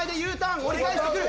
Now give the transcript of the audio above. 折り返してくる。